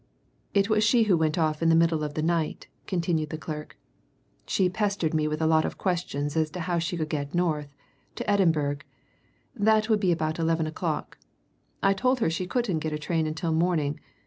"It was she who went off in the middle of the night," continued the clerk. "She pestered me with a lot of questions as to how she could get North to Edinburgh. That would be about eleven o'clock. I told her she couldn't get a train until morning.